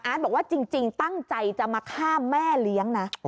บอกว่าจริงตั้งใจจะมาฆ่าแม่เลี้ยงนะ